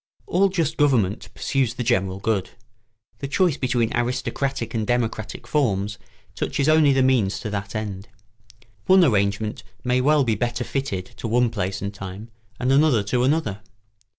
] All just government pursues the general good; the choice between aristocratic and democratic forms touches only the means to that end. One arrangement may well be better fitted to one place and time, and another to another.